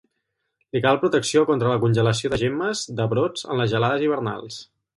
Li cal protecció contra la congelació de gemmes de brots en les gelades hivernals.